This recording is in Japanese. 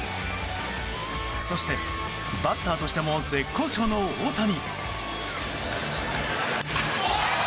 そして、バッターとしても絶好調の大谷。